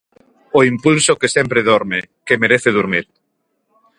O impulso que sempre dorme, que merece durmir.